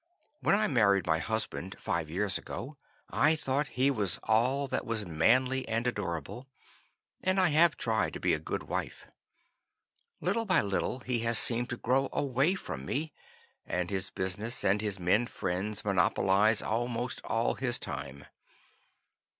When I married my husband five years ago I thought he was all that was manly and adorable, and I have tried to be a good wife. Little by little he has seemed to grow away from me, and his business and his men friends monopolize almost all his time.